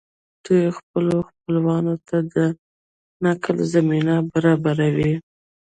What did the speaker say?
دوی خپلو خپلوانو ته د نقل زمینه برابروي